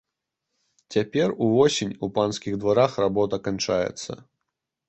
Цяпер, увосень, у панскіх дварах работа канчаецца.